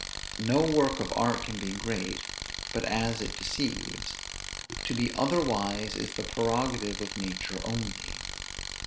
No work of art can be great, but as it deceives; to be otherwise is the prerogative of nature only.